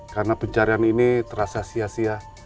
karena pencarian ini terasa sia sia